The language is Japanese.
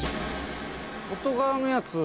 外側のやつ。